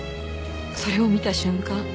それを見た瞬間